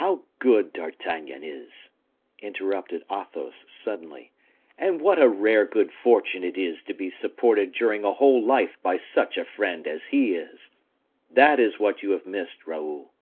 "How good D'Artagnan is!" interrupted Athos, suddenly, "and what a rare good fortune it is to be supported during a whole life by such a friend as he is! That is what you have missed, Raoul."